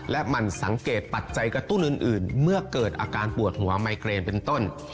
และมันสังเกตปัจจัยกระตุ้นอื่นเมื่อเกิดอาการปวดหัวไมเกรนเป็นต้น